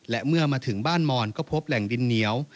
และเมื่อมาถึงบ้านมอนก็พบแหล่งดินเหนียว